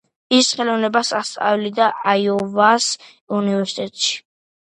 ის ხელოვნებას ასწავლიდა აიოვას უნივერსიტეტში.